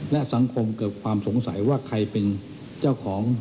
และสังคมเกิดความสงสัยว่าใครเป็นเจ้าของ